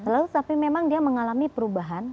lalu tapi memang dia mengalami perubahan